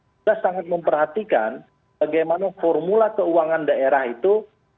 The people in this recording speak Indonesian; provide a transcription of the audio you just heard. kita sangat memperhatikan bagaimana formula keuangan daerah itu